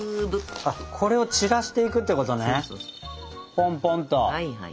ポンポンと。